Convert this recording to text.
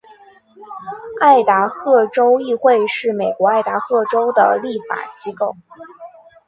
爱达荷州议会是美国爱达荷州的立法机构。